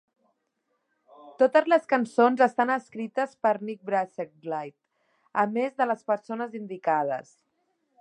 Totes les cançons estan escrites per Nick Bracegirdle a més de les persones indicades.